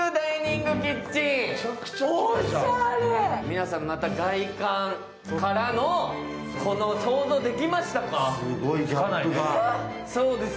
皆さん外観から想像できましたか？